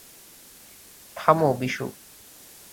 থামো, বিশু।